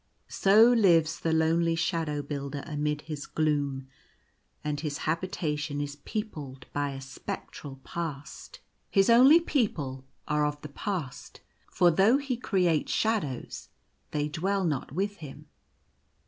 So lives the lonely Shadow Builder amid his gloom; and his habitation is peopled by a spectral past. His only people are of the past ; for though he creates shadows they dwell not with him.